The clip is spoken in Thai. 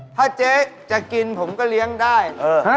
ถ้าเจ๊จะกินผมก็เลี้ยงได้